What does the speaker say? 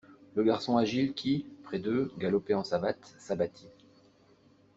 Le garçon agile qui, près d'eux, galopait en savates, s'abattit.